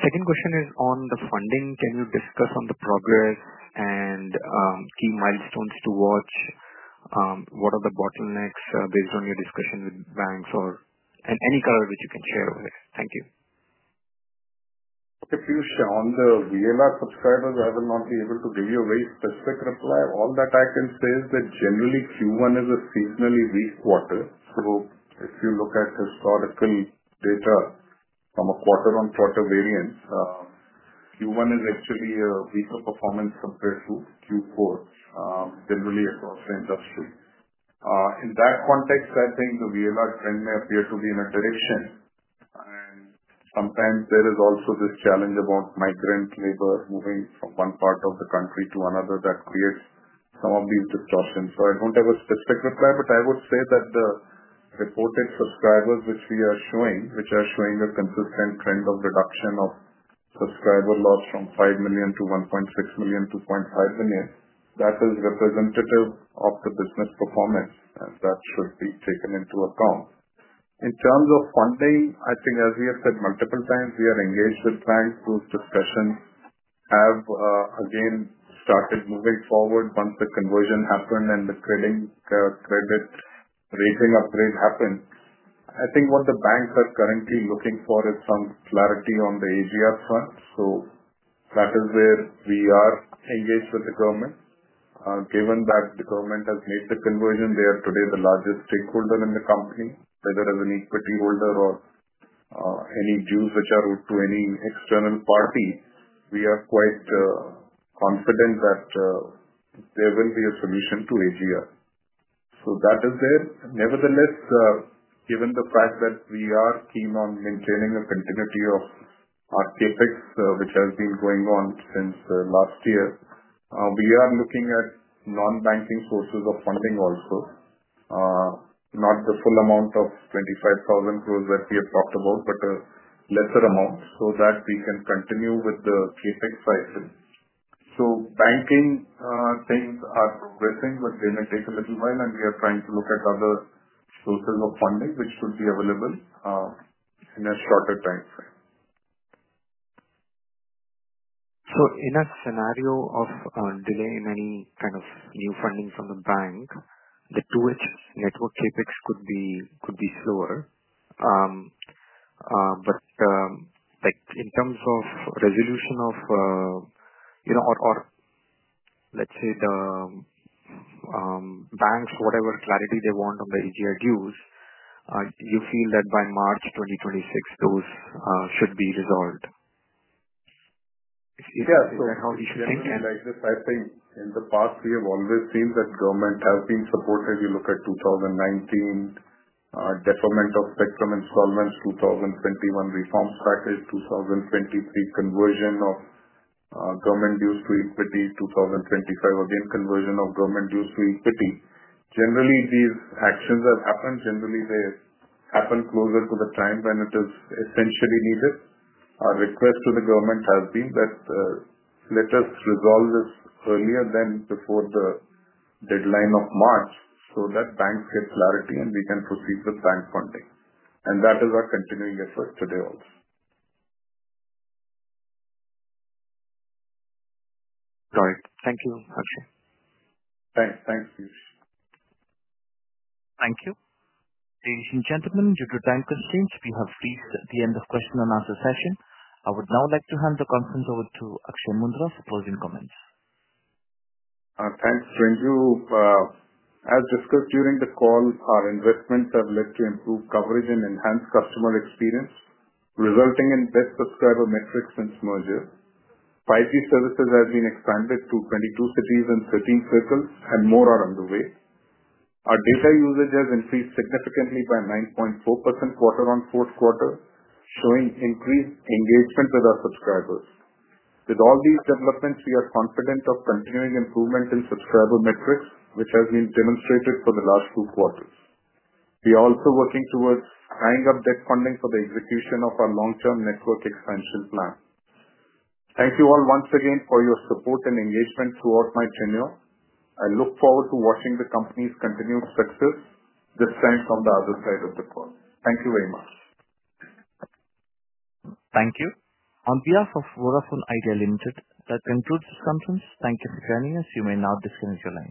Second question is on the funding. Can you discuss the progress and key milestones to watch? What are the bottlenecks based on your discussion with banks or any color which you can share with it? Thank you. If you stay on the DLR subscribers, I will not be able to give you a very specific reply. All that I can say is that generally, Q1 is a seasonally weak quarter. If you look at historical data from a quarter-on-quarter variance, Q1 is actually a weaker performance compared to Q4, generally across the industry. In that context, I think the DLR trend may appear to be in a direction. Sometimes there is also this challenge about migrant labor moving from one part of the country to another that creates some of these distortions. I don't have a specific reply, but I would say that the reported subscribers which we are showing, which are showing a consistent trend of reduction of subscriber loss from 5 million to 1.6 million to 0.5 million, that is representative of the business performance as that should be taken into account. In terms of funding, I think, as we have said multiple times, we are engaged with banks. Those discussions have, again, started moving forward once the conversion happened and the credit rating upgrade happened. What the banks are currently looking for is some clarity on the AGR front. That is where we are engaged with the government. Given that the government has made the conversion, they are today the largest stakeholder in the company, whether as an equity holder or any views which are owed to any external party, we are quite confident that there will be a solution to AGR. That is there. Nevertheless, given the fact that we are keen on maintaining a continuity of our CapEx, which has been going on since last year, we are looking at non-banking sources of funding also. Not the full amount of 25,000 crores that we have talked about, but a lesser amount so that we can continue with the CapEx cycle. Banking, things are progressing, but they may take a little while, and we are trying to look at other sources of funding which could be available in a shorter timeframe. In a scenario of delaying any kind of new funding from the bank, the two-edge network CapEx could be slower. In terms of resolution of, you know, or let's say the banks or whatever clarity they want on the AGR dues, you feel that by March 2026, those should be resolved. I think in the past, we have always seen that government have been supportive. You look at 2019, deferment of spectrum installments, 2021 reform package, 2023 conversion of government dues to equity, 2025 again conversion of government dues to equity. Generally, these actions have happened. Generally, they happen closer to the time when it is essentially needed. Our request to the government has been that, let us resolve this earlier than before the deadline of March so that banks get clarity and we can proceed with bank funding. That is our continuing effort today also. Got it. Thank you, Ashwin. Thanks, please. Thank you. Ladies and gentlemen, due to time constraints, we have reached the end of the question-and-answer session. I would now like to hand the conference over to Akshaya Moondra for closing comments. Thanks, Ravit. As discussed during the call, our investments have led to improved coverage and enhanced customer experience, resulting in best subscriber metrics since merger. 5G services have been expanded to 22 cities and 13 circles, and more are on the way. Our data usage has increased significantly by 9.4% quarter on fourth quarter, showing increased engagement with our subscribers. With all these developments, we are confident of continuing improvement in subscriber metrics, which has been demonstrated for the last two quarters. We are also working towards tying up debt funding for the execution of our long-term network expansion plan. Thank you all once again for your support and engagement throughout my tenure. I look forward to watching the company's continued success. This ends on the other side of the call. Thank you very much. Thank you. On behalf of Vodafone Idea Limited, that concludes this conference. Thank you for joining us. You may now defer to the.